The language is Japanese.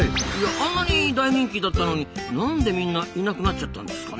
あんなに大人気だったのになんでみんないなくなっちゃったんですかね？